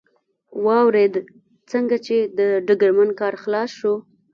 واورېد، څنګه چې د ډګرمن کار خلاص شو.